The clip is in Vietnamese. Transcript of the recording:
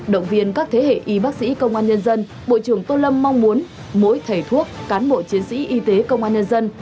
động viên các thế hệ y bác sĩ công an nhân dân bộ trưởng tô lâm mong muốn mỗi thầy thuốc cán bộ chiến sĩ y tế công an nhân dân